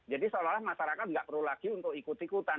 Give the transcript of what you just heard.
jadi seolah olah masyarakat tidak perlu lagi untuk ikut ikutan